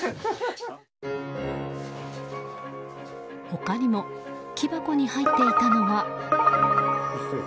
他にも木箱に入っていたのは。